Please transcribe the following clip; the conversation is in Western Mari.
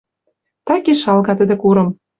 Так и шалга тӹдӹ курым